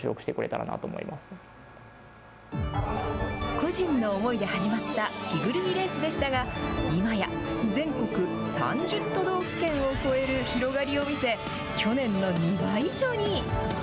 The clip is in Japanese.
個人の思いで始まった着ぐるみレースでしたが、今や、全国３０都道府県を超える広がりを見せ、去年の２倍以上に。